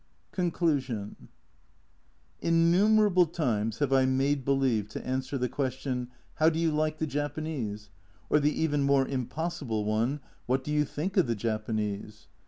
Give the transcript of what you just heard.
CONCLUSION INNUMERABLE times have I made believe to answer the question, " How do you like the Japanese? " or the even more impossible one, "What do you think of the Japanese